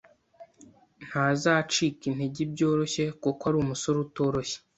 Ntazacika intege byoroshye, kuko ari umusore utoroshye.